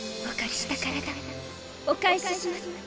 お借りした体お返しします。